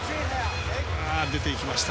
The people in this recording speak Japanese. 出ていました。